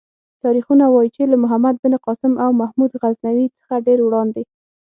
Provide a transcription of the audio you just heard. تاریخونه وايي چې له محمد بن قاسم او محمود غزنوي څخه ډېر وړاندې.